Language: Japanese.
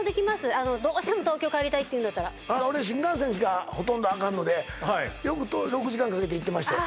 あのどうしても東京帰りたいっていうんだったらあの俺新幹線しかほとんどあかんのでよく６時間かけて行ってましたよ